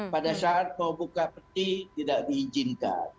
pada saat mau buka peti tidak diizinkan